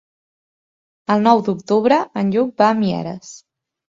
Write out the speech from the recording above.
El nou d'octubre en Lluc va a Mieres.